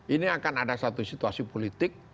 ini akan ada satu situasi politik